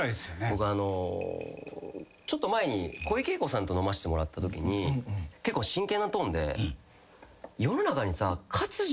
僕ちょっと前に小池栄子さんと飲ませてもらったときに結構真剣なトーンで「世の中にさ」小池！